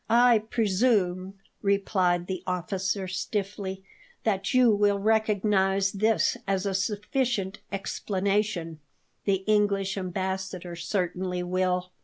"I presume," replied the officer stiffly, "that you will recognize this as a sufficient explanation; the English Ambassador certainly will."